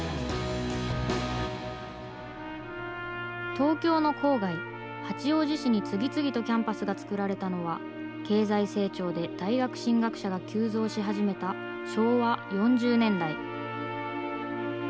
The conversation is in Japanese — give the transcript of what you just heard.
東京の郊外、八王子市に次々とキャンパスが作られたのは経済成長で大学進学者が急増し始めた昭和４０年代。